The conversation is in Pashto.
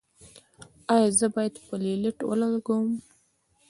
ایا زه باید پلیټلیټ ولګوم؟